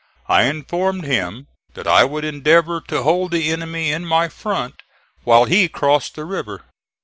I informed him that I would endeavor to hold the enemy in my front while he crossed the river.